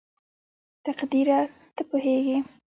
تقديره ته پوهېږې??